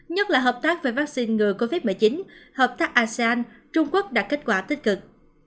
nhất là hợp tác về vaccine ngừa covid một mươi chín hợp tác asean trung quốc đạt kết quả tích cực